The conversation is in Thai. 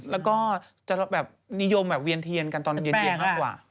แล้วก็จะแบบนิยมแบบเวียนเทียนกันตอนเย็นมากกว่า